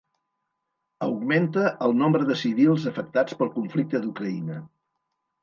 Augmenta el nombre de civils afectats pel conflicte d'Ucraïna